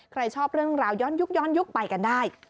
ใครชอบเรื่องราวย่อนยุกไปกันได้